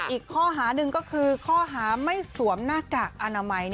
อีกข้อหาหนึ่งก็คือข้อหาไม่สวมหน้ากากอนามัย